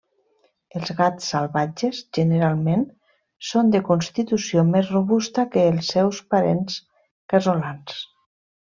Els gats salvatges generalment són de constitució més robusta que els seus parents casolans.